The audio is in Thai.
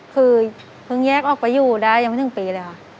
คือเพิ่งแยกออกไปอยู่ได้ยังไม่ถึงปีเลยค่ะ